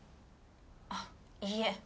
あっいいえ。